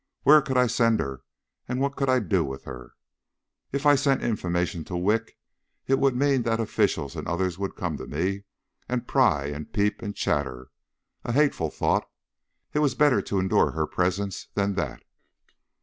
Where could I send her, and what could I do with her? If I sent information to Wick it would mean that officials and others would come to me and pry, and peep, and chatter a hateful thought. It was better to endure her presence than that.